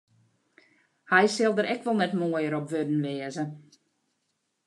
Hy sil der ek wol net moaier op wurden wêze.